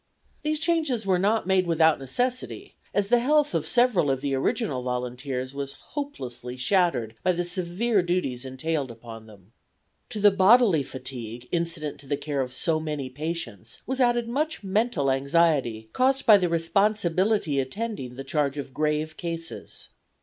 These changes were not made without necessity, as the health of several of the original volunteers was hopelessly shattered by the severe duties entailed upon them. To the bodily fatigue incident to the care of so many patients was added much mental anxiety, caused by the responsibility attending the charge of grave cases.